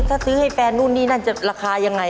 ถ้าซื้อให้แฟนนู่นนี่นั่นจะราคายังไง